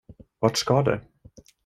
Vart ska du?